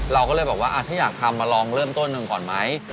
เราก็เลยบอกว่าถ้าอยากทำมาลองเริ่มต้นหนึ่งก่อนไหม